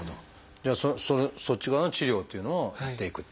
じゃあそっち側の治療っていうのをやっていくと。